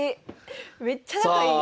めっちゃ仲いい。